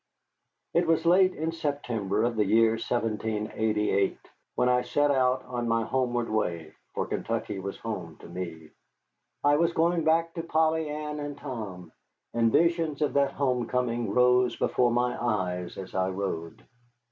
It was late in September of the year 1788 when I set out on my homeward way for Kentucky was home to me. I was going back to Polly Ann and Tom, and visions of that home coming rose before my eyes as I rode.